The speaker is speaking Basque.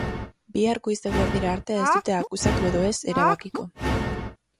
Bihar goiz-eguerdira arte ez dute akusatu edo ez erabakiko.